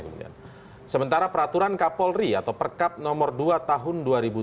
sementara peraturan kapolri atau perkap nomor dua tahun dua ribu tujuh belas